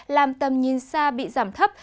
làm tầm nhìn xa bị giảm thấp